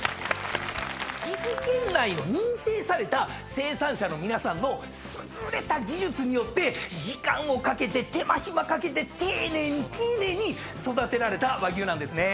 岐阜県内の認定された生産者の皆さんの優れた技術によって時間をかけて手間暇かけて丁寧に丁寧に育てられた和牛なんですね。